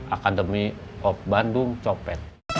akademi pop bandung copet